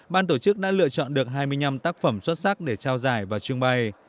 ban tổ chức đã lựa chọn được hai mươi năm tác phẩm xuất sắc để trao giải và trưng bày